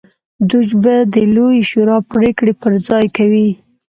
دوج به د لویې شورا پرېکړې پر ځای کوي